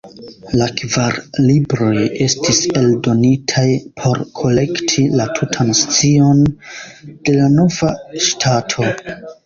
La kvar libroj estis eldonitaj por kolekti la tutan scion de la nova ŝtato.